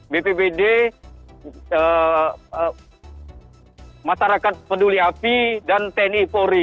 bppd masyarakat penduli api dan tni polri